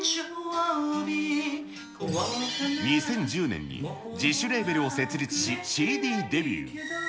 ２０１０年に自主レーベルを設立しＣＤデビュー。